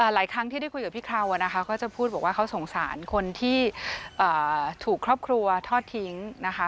หลายครั้งที่ได้คุยกับพี่เขาก็จะพูดบอกว่าเขาสงสารคนที่ถูกครอบครัวทอดทิ้งนะคะ